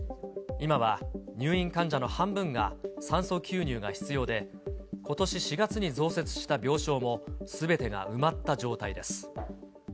今は入院患者の半分が酸素吸入が必要で、ことし４月に増設した病床もすべてが埋まった状態です。